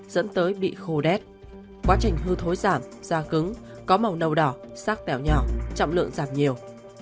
dẫn tới bị khô đét quá trình hư thối giảm da cứng có màu nâu đỏ sát tẻo nhỏ trọng lượng giảm nhiều